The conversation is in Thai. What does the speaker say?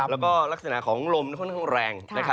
แล้วก็ลักษณะของลมค่อนข้างแรง